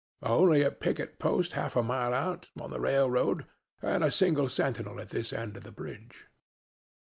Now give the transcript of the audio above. "Only a picket post half a mile out, on the railroad, and a single sentinel at this end of the bridge."